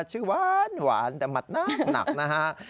ชื่อหวานแต่หมัดหนักนะฮะ